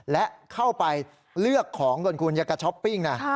เข้าไปเลือกของตนคุณยักษ์กับช้อปปิ้งนะ